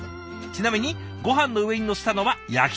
ちなみにごはんの上にのせたのは焼きたらこ。